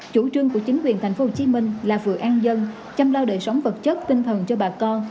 chủ trương của chính quyền tp hcm là vừa an dân chăm lo đời sống vật chất tinh thần cho bà con